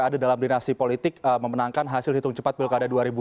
ada dalam dinasti politik memenangkan hasil hitung cepat pilkada dua ribu dua puluh